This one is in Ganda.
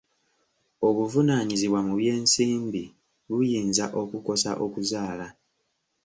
Obuvunaanyizibwa mu by'ensimbi buyinza okukosa okuzaala.